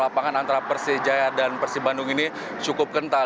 lapangan antara persijaya dan persib bandung ini cukup kental